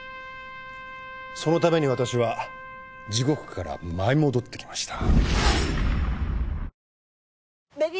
そのために私は地獄から舞い戻ってきました。